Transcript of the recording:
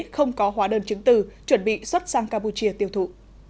không có hóa đơn chứng từ chuẩn bị xuất sang campuchia tiêu thụ